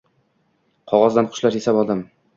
Qog’ozdan qushlar yasab oldim